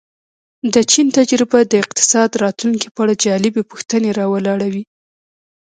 د چین تجربه د اقتصاد راتلونکې په اړه جالبې پوښتنې را ولاړوي.